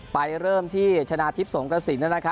ไปเริ่มที่ชนะทิพย์สงกระสิน